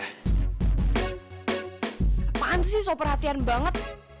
apaan sih soal perhatian banget